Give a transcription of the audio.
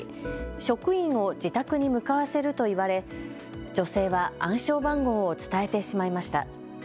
職員を自宅に向かわせると言われ女性は暗証番号を伝えてしまいました。